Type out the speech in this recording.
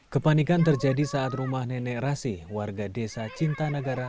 kepanikan terjadi saat rumah nenek rasih warga desa cinta negara